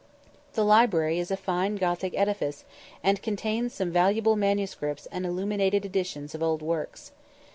The library is a fine Gothic edifice, and contains some valuable manuscripts and illuminated editions of old works.